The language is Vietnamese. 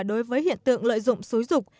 đối với hiện tượng lợi dụng xúi dục